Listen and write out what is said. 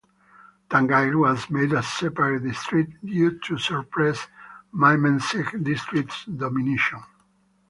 Tangail was made a separate district due to suppress Mymensingh District's dominion.